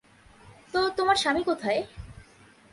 তো, তোমার স্বামী কোথায়?